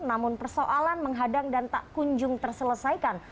namun persoalan menghadang dan tak kunjung terselesaikan